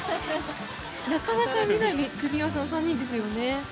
なかなか見ない組み合わせの３人ですよね。